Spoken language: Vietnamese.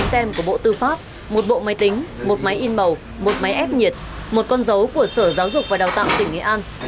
một trăm tám mươi chín tem của bộ tư pháp một bộ máy tính một máy in màu một máy ép nhiệt một con dấu của sở giáo dục và đào tạo tỉnh nghệ an